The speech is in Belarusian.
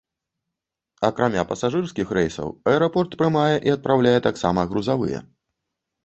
Акрамя пасажырскіх рэйсаў аэрапорт прымае і адпраўляе таксама грузавыя.